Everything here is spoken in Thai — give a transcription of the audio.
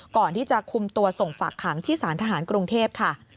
ก่อนที่จะคุมตัวส่งฝากขังที่สารทหารกรุงเทพค่ะ